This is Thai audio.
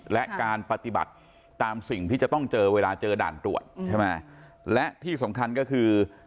และการปฏิบัติตามสิ่งที่จะต้องเจอเวลาเจอด่านตรวจใช่ไหมและที่สำคัญก็คือ